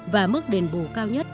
và mức đền bù cao nhất